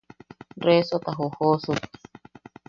Resota jojoosuk.